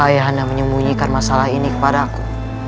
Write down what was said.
ayah anda menyembunyikan masalah ini kepada aku